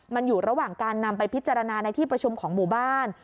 มันอยู่ระหว่างการนำไปพิจารณาในที่ประชุมของหมู่บ้าน